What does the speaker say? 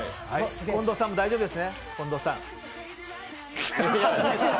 近藤さんも大丈夫ですね？